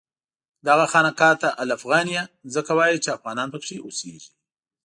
دغه خانقاه ته الافغانیه ځکه وایي چې افغانان پکې اوسېږي.